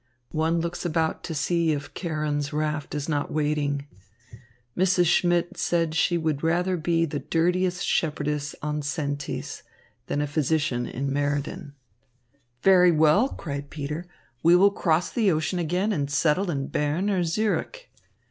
One looks about to see if Charon's raft is not waiting. Mrs. Schmidt said she would rather be the dirtiest shepherdess on Sentis than a physician in Meriden. "Very well," cried Peter, "we will cross the ocean again and settle in Berne or Zürich."